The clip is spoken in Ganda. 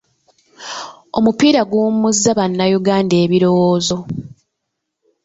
Omupiira guwummuza Bannayuganda ebirowoozo.